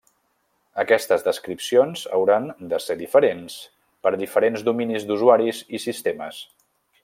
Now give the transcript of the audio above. Aquestes descripcions hauran de ser diferents per a diferents dominis d'usuaris i sistemes.